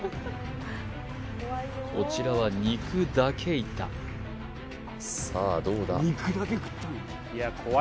こちらは肉だけいったさあどうだ？